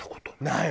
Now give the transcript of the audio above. ない！